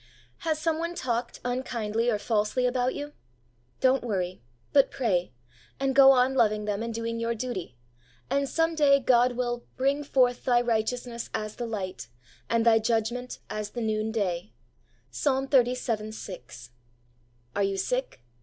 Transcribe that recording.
Has some one talked unkindly or falsely about you ? Don't worry, but pray, and go on loving them and doing your duty, and some day God will ' bring forth thy right eousness as the light, and thy judgment as the noon day' (Ps. xxxvii. 6). Are you sick